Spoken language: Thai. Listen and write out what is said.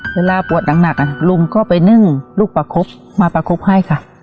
เวลาปวดหนักลุงก็ไปนึ่งลูกประคบมาประคบให้ค่ะ